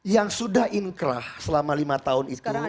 yang sudah inkrah selama lima tahun itu